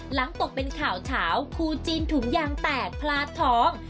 ตกเป็นข่าวเฉาคู่จีนถุงยางแตกพลาดท้อง